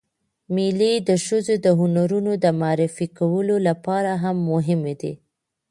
مېلې د ښځو د هنرونو د معرفي کولو له پاره هم مهمې دي.